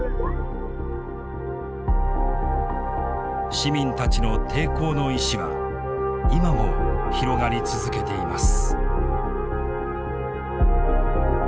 市民たちの抵抗の意志は今も広がり続けています。